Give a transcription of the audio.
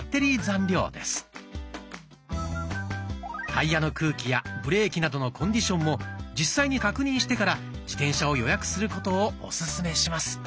タイヤの空気やブレーキなどのコンディションも実際に確認してから自転車を予約することをオススメします。